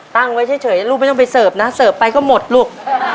ตั้งไว้เฉยลูกไม่ต้องไปเสิร์ฟนะเสิร์ฟไปก็หมดลูก